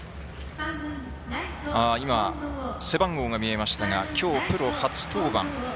背番号が見えましたがきょうプロ初登板。